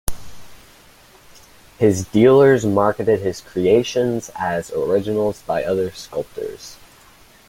His dealers marketed his creations as originals by other sculptors.